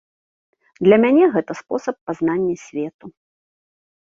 Для мяне гэта спосаб пазнання свету.